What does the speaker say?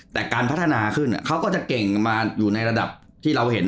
แต่การพัฒนาขึ้นเขาก็จะเก่งมาอยู่ในระดับที่เราเห็น